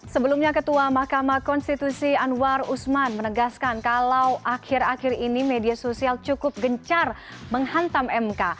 sebelumnya ketua mahkamah konstitusi anwar usman menegaskan kalau akhir akhir ini media sosial cukup gencar menghantam mk